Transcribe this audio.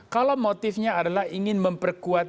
kalau motifnya adalah ingin memperkuat